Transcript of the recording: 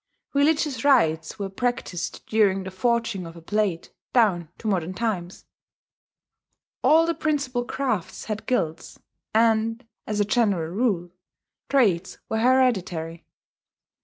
Religious rites were practised during the forging of a blade down to modern times.... All the principal crafts had guilds; and, as a general rule, trades were hereditary.